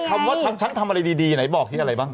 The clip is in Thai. คำว่าฉันทำอะไรดีไหนบอกที่อะไรบ้าง